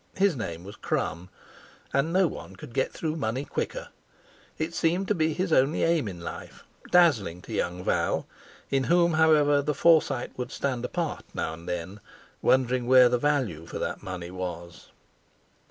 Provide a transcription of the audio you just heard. His name was Crum, and no one could get through money quicker. It seemed to be his only aim in life—dazzling to young Val, in whom, however, the Forsyte would stand apart, now and then, wondering where the value for that money was.